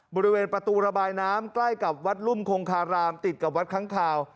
บริเวณประตูระบายน้ำใกล้กับวัดรุ่มคงคารามติดกับวัดค้างคาว